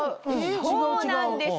そうなんですよ。